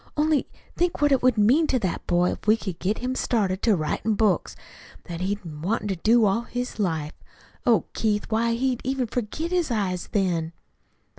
"Only think what it would mean to that boy if we could get him started to writin' books what he's wanted to do all his life. Oh, Keith, why, he'd even forget his eyes then."